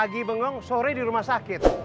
lagi bengong sore di rumah sakit